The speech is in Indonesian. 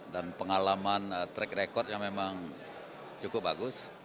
dan pengalaman track recordnya memang cukup bagus